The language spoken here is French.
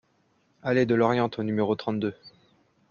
Allée de l'Oriente au numéro trente-deux